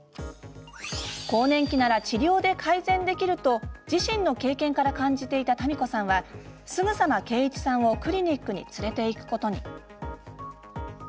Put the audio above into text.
更年期なら治療で改善できると自身の経験から感じていたたみこさんはすぐさま啓一さんをクリニックに連れて行くことに。